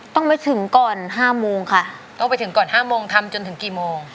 ต้องไปถึงก่อน๕โมงค่ะต้องไปถึงก่อน๕โมงทำจนถึงกี่โมง